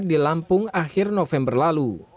di lampung akhir november lalu